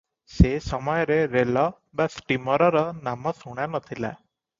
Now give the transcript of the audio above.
ସେ ସମୟରେ ରେଲ ବା ଷ୍ଟିମରର ନାମ ଶୁଣା ନ ଥିଲା ।